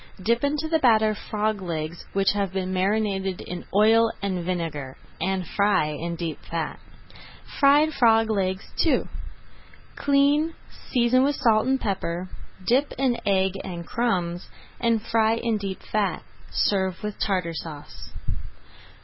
Dip into the batter frog legs which have been marinated in oil and vinegar, and fry in deep fat. FRIED FROG LEGS II Clean, season with salt and pepper, dip in egg and crumbs, and fry in deep fat. Serve with Tartar Sauce.